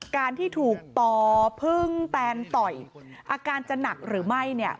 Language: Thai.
การที่ถูกต่อพึ่งแตนต่อยอาการจะหนักหรือไม่เนี่ย